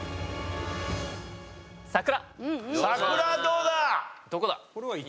桜どうだ？